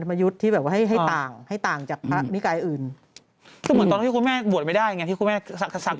คือเหมือนตอนที่คุณแม่บวชไม่ได้ไงที่คุณแม่สักคิ้วไง